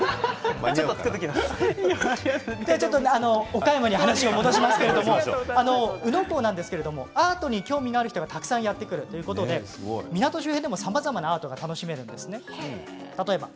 岡山に話を戻しますが宇野港はアートに興味がある人がたくさんやって来るということで港の周辺でもさまざまなアートが楽しめるんです。